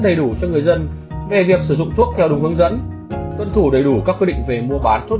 đầy đủ cho người dân về việc sử dụng thuốc theo đúng hướng dẫn tuân thủ đầy đủ các quy định về mua bán thuốc